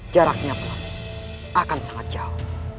jaraknya pun akan sangat jauh